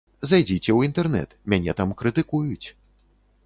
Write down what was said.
Зайдзіце ў інтэрнэт, мяне там крытыкуюць.